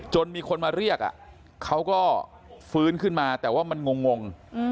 มีคนมาเรียกเขาก็ฟื้นขึ้นมาแต่ว่ามันงง